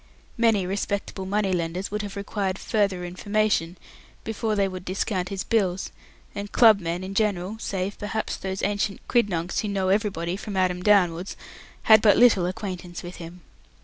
Many respectable money lenders would have required "further information" before they would discount his bills; and "clubmen" in general save, perhaps, those ancient quidnuncs who know everybody, from Adam downwards had but little acquaintance with him.